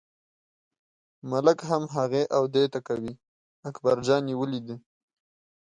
ملک هم هغې او دې ته کوي، اکبرجان یې ولیده.